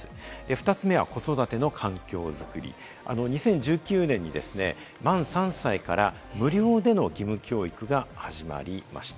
２つ目は子育ての環境作り、２０１９年に満３歳から無料での義務教育が始まりました。